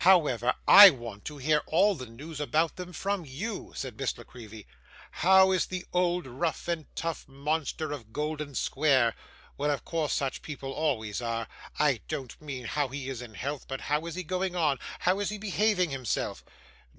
'However, I want to hear all the news about them from you,' said Miss La Creevy. 'How is the old rough and tough monster of Golden Square? Well, of course; such people always are. I don't mean how is he in health, but how is he going on: how is he behaving himself?